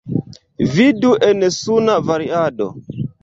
Vidu en suna variado.